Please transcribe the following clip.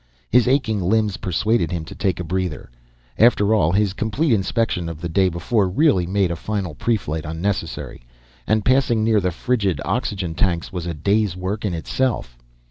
His aching limbs persuaded him to take a breather. After all, his complete inspection of the day before really made a final preflight unnecessary, and passing near the frigid oxygen tanks was a day's work in itself.